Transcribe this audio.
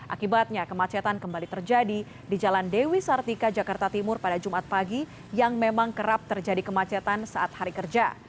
akibatnya kemacetan kembali terjadi di jalan dewi sartika jakarta timur pada jumat pagi yang memang kerap terjadi kemacetan saat hari kerja